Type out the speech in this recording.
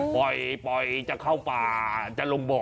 ปล่อยจะเข้าป่าจะลงบ่อ